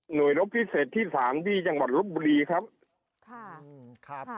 หน่วยรบพิเศษที่สารที่จังหวัดรบบุรีครับ